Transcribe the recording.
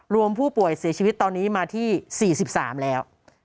รวมผู้ป่วยเสียชีวิตตอนนี้มาที่๔๓แล้ว